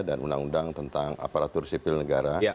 undang undang tentang aparatur sipil negara